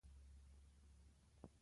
تفریح د روح د تازه کولو وسیله ده.